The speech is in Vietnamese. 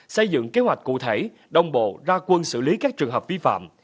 xây dựng kế hoạch cụ thể đồng bộ ra quân xử lý các trường hợp vi phạm